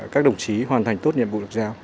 các đồng chí hoàn thành tốt nhiệm vụ được giao